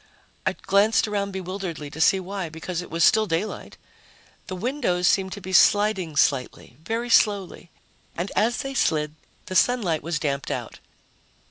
I glanced around bewilderedly to see why, because it was still daylight. The windows seemed to be sliding slightly, very slowly, and as they slid, the sunlight was damped out.